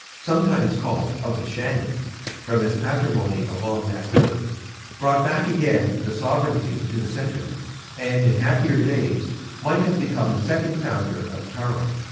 (sometimes called "of the Shannon," from his patrimony along that river), brought back again the sovereignty to the centre, and in happier days might have become the second founder of Tara.